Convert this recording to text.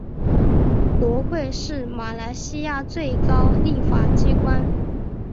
国会是马来西亚最高立法机关。